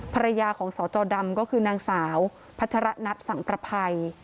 ภรรยาของสจดำก็คือนางสาวพัชระนัทสังประภัย